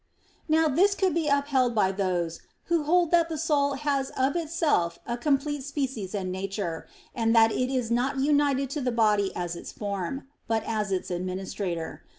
Now this could be upheld by those who hold that the soul has of itself a complete species and nature, and that it is not united to the body as its form, but as its administrator.